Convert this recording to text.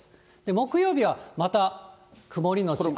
木曜日はまた曇り後雨。